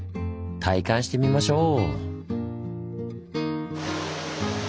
体感してみましょう！